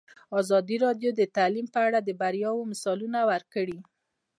ازادي راډیو د تعلیم په اړه د بریاوو مثالونه ورکړي.